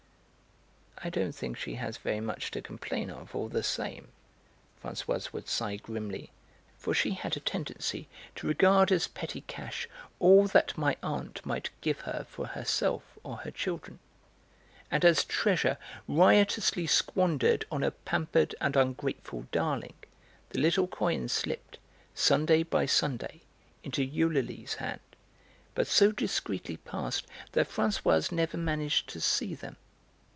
"I don't think she has very much to complain of, all the same," Françoise would sigh grimly, for she had a tendency to regard as petty cash all that my aunt might give her for herself or her children, and as treasure riotously squandered on a pampered and ungrateful darling the little coins slipped, Sunday by Sunday, into Eulalie's hand, but so discreetly passed that Françoise never managed to see them.